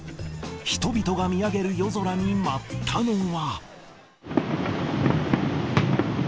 人々が見上げる夜空に舞ったのは。